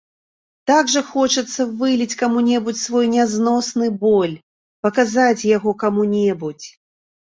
Так жа хочацца выліць каму-небудзь свой нязносны боль, паказаць яго каму-небудзь!